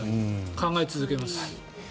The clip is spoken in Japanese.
考え続けます。